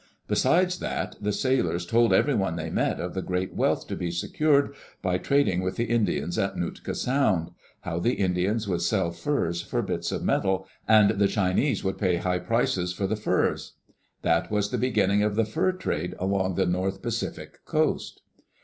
Besides that, the sailors told everyone they met of the great wealth to be secured by trading with the Indians at Nootka Sound — how the Indians would sell furs for bits of metal, and the Chinese would pay high prices for the furs. That was the beginning of the fur trade along the north Pacific coast.